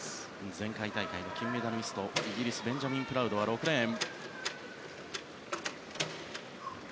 前回大会の金メダリストイギリスベンジャミン・プラウドは６レーン。